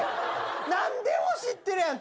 何でも知ってるやん。